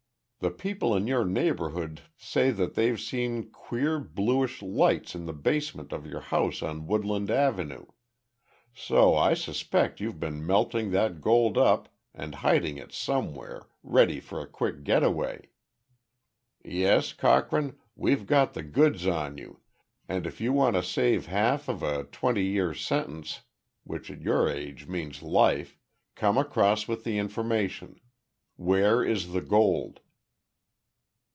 "The people in your neighborhood say that they've seen queer bluish lights in the basement of your house on Woodland Avenue. So I suspect you've been melting that gold up and hiding it somewhere, ready for a quick getaway. "Yes, Cochrane, we've got the goods on you and if you want to save half of a twenty year sentence which at your age means life come across with the information. Where is the gold?"